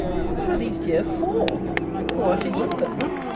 What are these deer for? Who are to eat them?